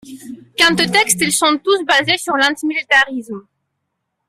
Quant aux textes, ils sont tous basés sur l'antimilitarisme.